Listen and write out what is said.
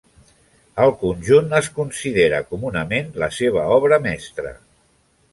El conjunt es considera comunament la seva obra mestra.